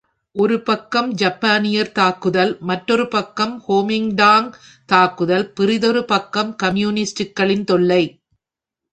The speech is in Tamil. ஒரு பக்கம் ஜப்பானியர் தாக்குதல், மற்றொர் பக்கம் கொமிங்டாங் தாக்குதல், பிரிதொரு பக்கம் கம்யூனிஸ்டுகளின் தொல்லை.